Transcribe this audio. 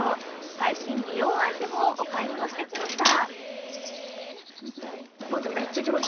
最新美容アイテムをお買い物してできました。